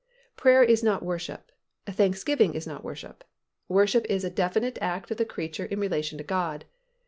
Prayer is not worship; thanksgiving is not worship. Worship is a definite act of the creature in relation to God.